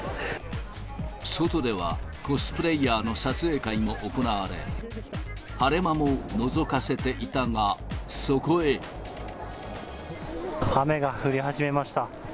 外では、コスプレーヤーの撮影会も行われ、晴れ間ものぞかせていたが、雨が降り始めました。